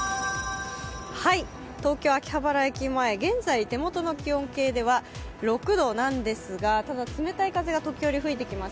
東京・秋葉原駅前手元の気温計では６度なんですがただ、冷たい風が時折吹いてきます。